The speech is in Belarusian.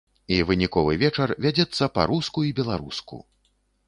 І выніковы вечар вядзецца па-руску і беларуску.